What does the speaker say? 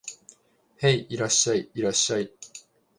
へい、いらっしゃい、いらっしゃい